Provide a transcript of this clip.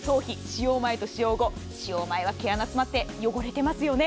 頭皮、使用前と使用後、使用前は毛穴が詰まって汚れてますよね。